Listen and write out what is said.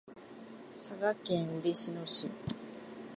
佐賀県嬉野市